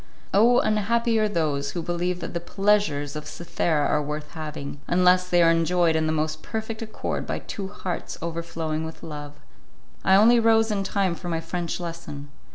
Oh! unhappy are those who believe that the pleasures of Cythera are worth having, unless they are enjoyed in the most perfect accord by two hearts overflowing with love! I only rose in time for my French lesson.